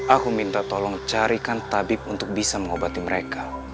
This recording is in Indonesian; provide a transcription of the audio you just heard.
aku minta tolong carikan tabib untuk bisa mengobati mereka